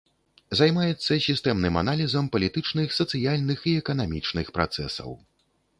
Займаецца сістэмным аналізам палітычных, сацыяльных і эканамічных працэсаў.